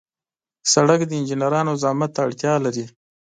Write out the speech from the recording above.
سړک د انجنیرانو زحمت ته اړتیا لري.